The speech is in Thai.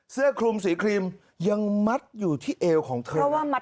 เสื้อคลุมสีครีมยังมัดอยู่ที่เอวของเธอ